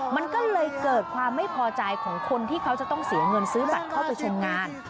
มันก็เลยเกิดความไม่พอใจของคนที่เขาจะต้องเสียเงินซื้อบัตรเข้าไปชมงาน